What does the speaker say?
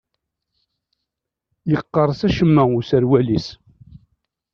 Yeqqers acemma userwal-is.